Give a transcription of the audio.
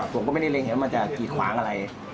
ผมก็ไม่ได้เล็งเห็นว่ามันจะกีดขวางอะไร